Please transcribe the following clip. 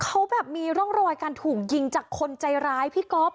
เขาแบบมีร่องรอยการถูกยิงจากคนใจร้ายพี่ก๊อฟ